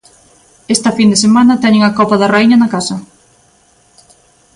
Esta fin de semana teñen a Copa da Raíña na casa.